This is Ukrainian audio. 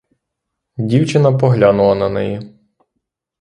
Дівчина поглянула на неї.